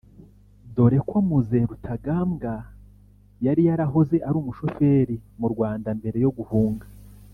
dore ko Mzee Rutagambwa yari yarahoze ari umushoferi mu Rwanda mbere yo guhunga